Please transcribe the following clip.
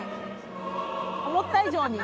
思った以上に。